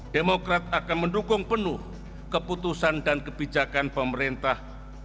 demokrat akan mendukung penuh keputusan dan kebijakan pemerintah